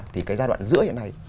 thì cái giai đoạn giữa hiện nay